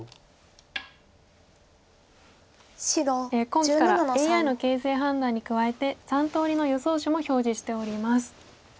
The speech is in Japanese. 今期からＡＩの形勢判断に加えて３通りの予想手も表示しております。